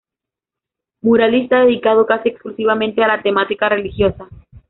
Muralista dedicado casi exclusivamente a la temática religiosa.